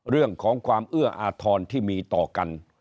เรื่องของความเอื้ออาทรที่มีต่อกัน